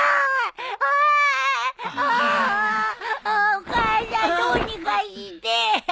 お母さんどうにかしてよ。